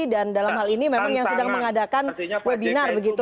dan dalam hal ini memang yang sedang mengadakan webinar begitu